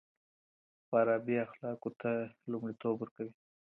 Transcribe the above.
فارابي اخلاقو ته لومړيتوب ورکوي.